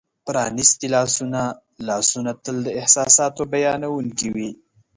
پرانیستي لاسونه : لاسونه تل د احساساتو بیانونکي وي.